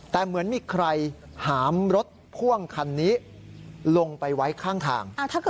แต่เหมือนมีใครหามรถพ่วงคันนี้ลงไปไว้ข้างทาง